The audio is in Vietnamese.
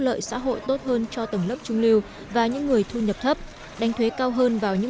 lợi xã hội tốt hơn cho tầng lớp trung lưu và những người thu nhập thấp đánh thuế cao hơn vào những